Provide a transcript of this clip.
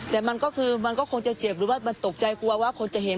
แต่มันก็คือมันก็คงจะเจ็บหรือว่ามันตกใจกลัวว่าคนจะเห็น